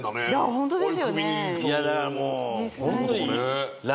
ホントですよね。